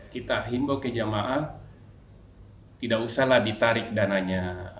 kita himbo kejamaah tidak usahlah ditarik dananya